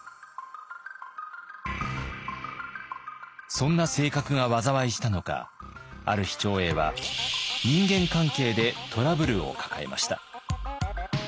そんな性格が災いしたのかある日長英は人間関係でトラブルを抱えました。